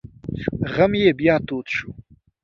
غم یې بیا تود شو.